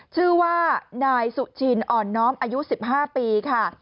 ชื่อว่านายสุชินอ่อนน้อมอายุ๑๕ปีค่ะ